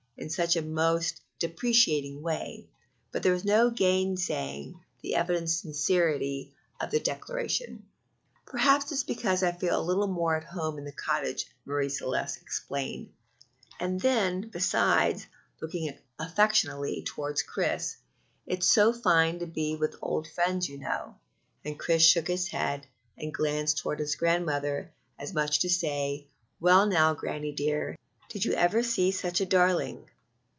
in a most deprecating way; but there was no gainsaying the evident sincerity of the declaration. "Perhaps it's because I feel a little more at home in a cottage," Marie Celeste explained; "and then, besides," looking affectionately toward Chris, "it's so fine to be with old friends, you know;" and Chris shook his head and glanced toward his grandmother as much as to say, "Well, now, Granny dear, did you ever see such a darling?"